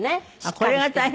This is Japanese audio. これが大変。